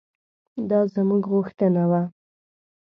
دا زموږ غوښتنه وه.